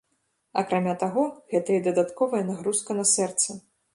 Акрамя таго, гэта і дадатковая нагрузка на сэрца.